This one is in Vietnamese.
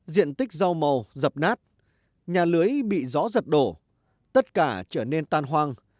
diện tích rau màu dập nát nhà lưới bị gió giật đổ tất cả trở nên tan hoang